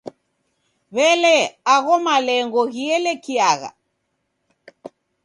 W'elee, agho malengo ghielekiagha?